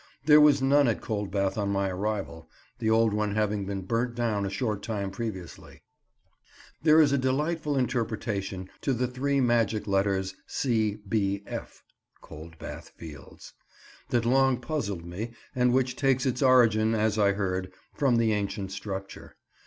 There was none at Coldbath on my arrival, the old one having been burnt down a short time previously. There is a delightful interpretation to the three magic letters, C. B. F. (Cold Bath Fields), that long puzzled me, and which takes its origin—as I heard—from the ancient structure.